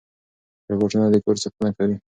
روباټونه د کور ساتنه کوي.